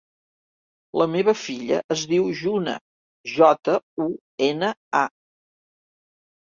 La meva filla es diu Juna: jota, u, ena, a.